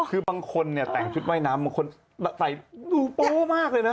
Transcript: คือบางคนเนี่ยแต่งชุดว่ายน้ำบางคนใส่ดูโป๊มากเลยนะ